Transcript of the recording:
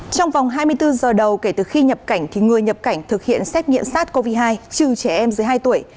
trong vòng hai mươi bốn giờ đầu kể từ khi nhập cảnh người nhập cảnh thực hiện xét nghiệm sars cov hai trừ trẻ em dưới hai tuổi